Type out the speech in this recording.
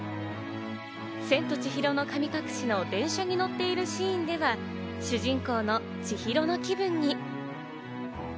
『千と千尋の神隠し』の電車に乗っているシーンでは主人公の千尋の気分に。